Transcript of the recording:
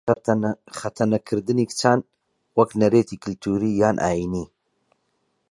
خەتەنەکردنی کچان وەک نەریتی کلتووری یان ئایینی